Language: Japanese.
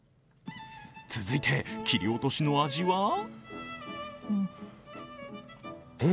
続いて、切り落としの味は？